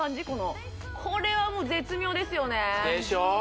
このこれはもう絶妙ですよねでしょ？